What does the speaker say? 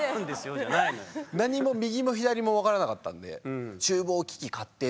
何も右も左も分からなかったんで。